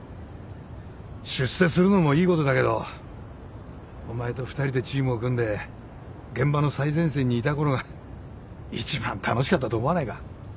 出世するのもいいことだけどお前と２人でチームを組んで現場の最前線にいたころが一番楽しかったと思わないか？